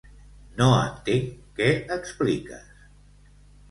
No entenc què expliques.